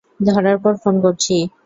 ধরার পর ফোন করছি।